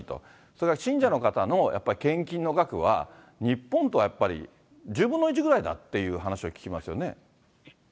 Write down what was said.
それから信者の方のやっぱり献金の額は、日本とやっぱり１０分の１ぐらいだって話を聞きますよね。